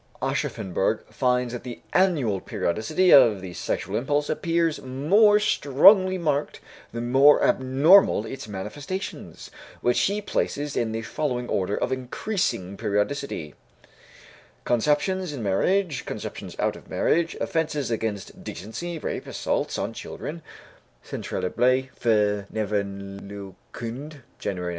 Aschaffenburg finds that the annual periodicity of the sexual impulse appears more strongly marked the more abnormal its manifestations, which he places in the following order of increasing periodicity: conceptions in marriage, conceptions out of marriage, offences against decency, rape, assaults on children (Centralblatt für Nervenheilkunde, January, 1903).